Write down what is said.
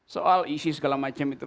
soal isi segala macam itu